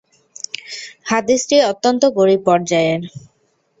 হাদীসটি অত্যন্ত গরীব পর্যায়ের।